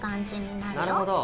なるほど。